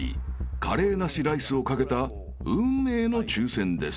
［カレーなしライスを懸けた運命の抽選です］